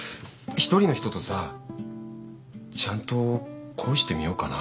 一人の人とさちゃんと恋してみようかな。